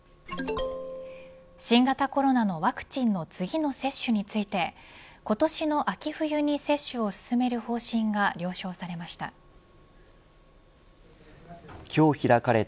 新型コロナのワクチンの次の接種について今年の秋冬に接種を進める方針が了承されました。